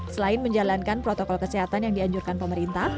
selain menjalankan protokol kesehatan yang dianjurkan pemerintah